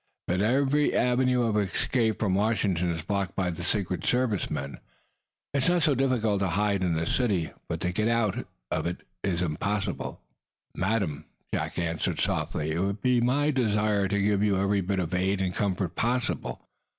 "But every avenue of escape from Washington is blocked by Secret Service men. It is not so difficult to hide in the city, but to get out of it is impossible to day." "Madam," Jack answered, softly, "it would be my desire to give you every bit of aid and comfort possible.